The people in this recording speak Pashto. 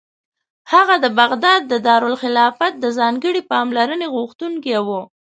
هغه د بغداد د دارالخلافت د ځانګړې پاملرنې غوښتونکی و.